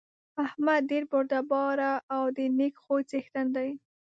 احمد ډېر بردباره او د نېک خوی څېښتن دی.